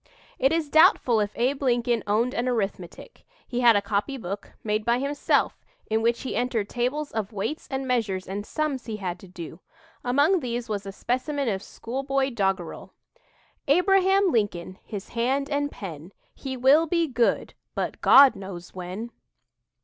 It is doubtful if Abe Lincoln owned an arithmetic. He had a copybook, made by himself, in which he entered tables of weights and measures and "sums" he had to do. Among these was a specimen of schoolboy doggerel: "Abraham Lincoln, His hand and pen, He will be good But God knows when!"